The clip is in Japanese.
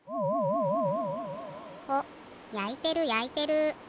やいてるやいてる。